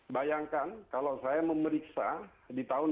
bayangkan kalau saya memeriksa di tahun dua ribu dua puluh satu